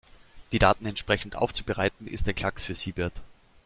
Die Daten entsprechend aufzubereiten, ist ein Klacks für Siebert.